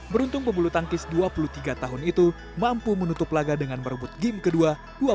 beruntung pebulu tangkis dua puluh tiga tahun itu mampu menutup laga dengan merebut game kedua dua puluh